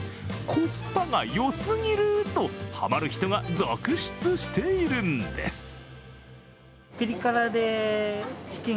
コスパがよすぎるとはまる人が続出しているんです。